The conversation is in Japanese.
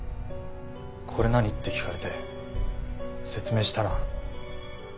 「これ何？」って聞かれて説明したら。